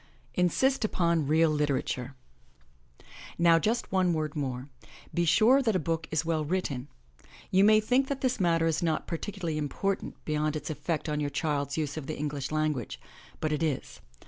INSIST UPON REAL LITERATURE OW just one word more. Be sure that a book is well written. You may think this matter is not particularly important beyond its effect on your child's use of the English language, but it is.